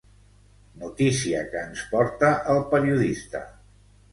Notícia que ens porta el periodista.